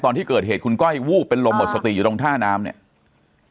ตอนที่เกิดเหตุคุณก้อยวูบเป็นลมหมดสติอยู่ตรงท่าน้ำเนี่ย